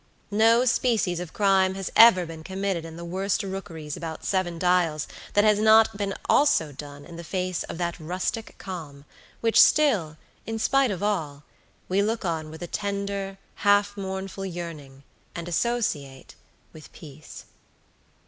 No species of crime has ever been committed in the worst rookeries about Seven Dials that has not been also done in the face of that rustic calm which still, in spite of all, we look on with a tender, half mournful yearning, and associate withpeace.